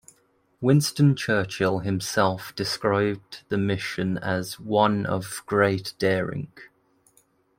Winston Churchill himself described the mission as "one of great daring".